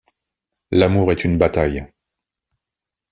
L'amour est une bataille.